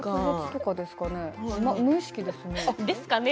無意識ですね。